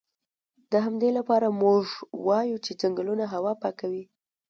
د همدې لپاره موږ وایو چې ځنګلونه هوا پاکوي